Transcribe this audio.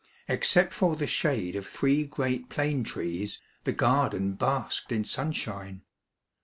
Ex cept for the shade of three great plane trees, the garden basked in sunshine.